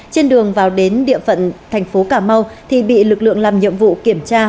trên đường vào đến địa phận tp ca mau thì bị lực lượng làm nhiệm vụ kiểm tra